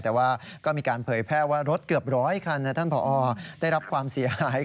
แต่ว่าก็มีการเผยแพร่ว่ารถเกือบร้อยคันท่านผอได้รับความเสียหาย